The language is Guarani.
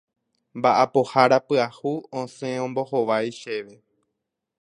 Mba'apohára pyahu osẽ ombohovái chéve.